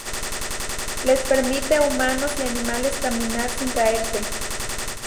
Les permite a humanos y animales caminar sin caerse.